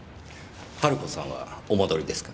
ハル子さんはお戻りですか？